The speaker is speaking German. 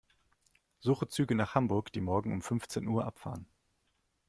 Suche Züge nach Hamburg, die morgen um fünfzehn Uhr abfahren.